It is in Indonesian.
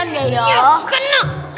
aduh aduh aduh